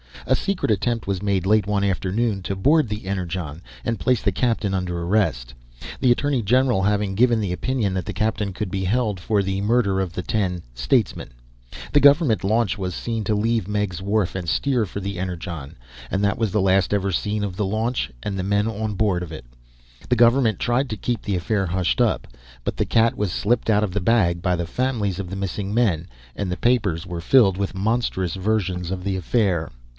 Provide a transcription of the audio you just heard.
A secret attempt was made late one afternoon to board the Energon and place the captain under arrest the Attorney General having given the opinion that the captain could be held for the murder of the ten "statesmen." The government launch was seen to leave Meigg's Wharf and steer for the Energon, and that was the last ever seen of the launch and the men on board of it. The government tried to keep the affair hushed up, but the cat was slipped out of the bag by the families of the missing men, and the papers were filled with monstrous versions of the affair.